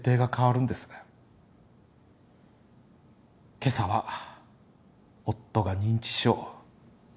今朝は「夫が認知症」でした。